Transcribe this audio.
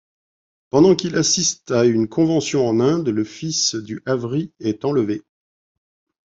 Pendant qu'il assiste à une convention en Inde, le fils du Avery est enlevé.